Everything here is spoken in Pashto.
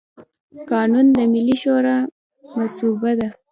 قانون د ملي شورا مصوبه ده.